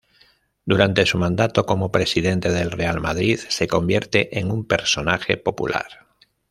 Durante su mandato como presidente del Real Madrid se convierte en un personaje popular.